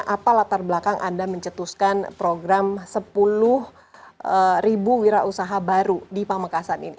apa latar belakang anda mencetuskan program sepuluh wira usaha baru di pamekasan ini